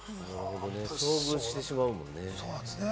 遭遇してしまうもんね。